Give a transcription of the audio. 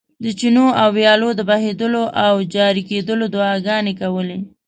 د چینو او ویالو د بهېدلو او جاري کېدلو دعاګانې کولې.